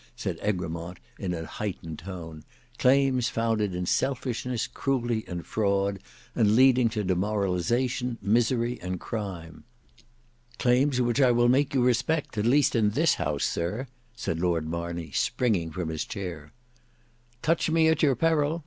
said Egremont in an heightened tone—"claims founded in selfishness, cruelty, and fraud, and leading to demoralization, misery, and crime." "Claims which I will make you respect, at least in this house, sir," said Lord Marney, springing from his chair. "Touch me at your peril!"